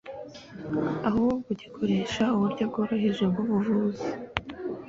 ahubwo gikoresha uburyo bworoheje bw’ubuvuzi